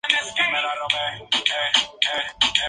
Se encargaba de los aspectos logísticos.